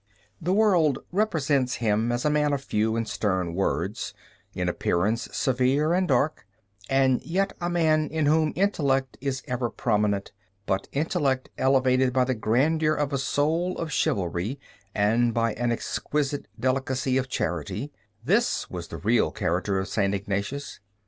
The world represents him as a man of few and stern words, in appearance severe and dark, and yet a man in whom intellect is ever prominent, but intellect elevated by the grandeur of a soul of chivalry and by an exquisite delicacy of charity this was the real character of St. Ignatius.